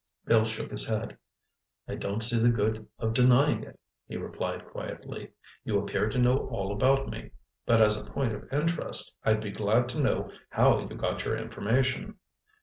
Bill shook his head. "I don't see the good of denying it," he replied quietly. "You appear to know all about me. But as a point of interest, I'd be glad to know how you got your information."